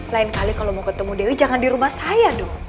lain kali kalau mau ketemu dewi jangan di rumah saya dong